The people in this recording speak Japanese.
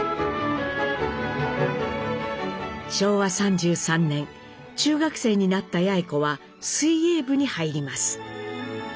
昭和３３年中学生になった八詠子は水泳部に入ります。